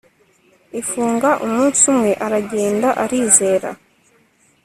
Ifunga umunsi umwe aragenda arizeza